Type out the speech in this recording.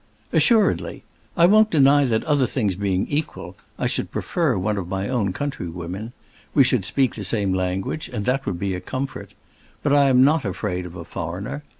"Assuredly. I won't deny that, other things being equal, I should prefer one of my own countrywomen. We should speak the same language, and that would be a comfort. But I am not afraid of a foreigner.